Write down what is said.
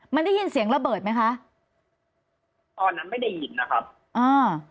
มันได้ยินเสียงระเบิดไหมคะตอนนั้นไม่ได้ยินนะครับอ่า